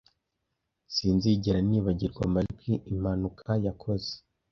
Sinzigera nibagirwa amajwi impanuka yakoze.